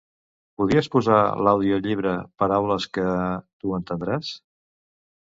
Podries posar l'audiollibre "Paraules que tu entendràs"?